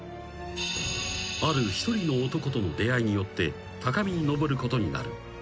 ［ある一人の男との出会いによって高みに登ることになる］